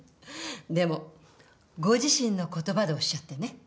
でもご自身の言葉でおっしゃってね。